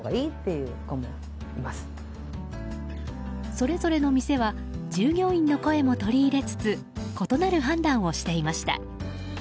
それぞれの店は従業員の声も取り入れつつ異なる判断をしていました。